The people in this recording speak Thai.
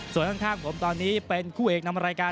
ส่วนข้างผมตอนนี้เป็นคู่เอกนำรายการ